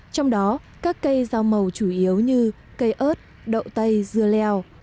trong đó các cây dao màu chủ yếu như cây ớt đậu tây dưa leo